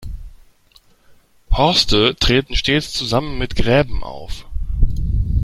Horste treten stets zusammen mit Gräben auf.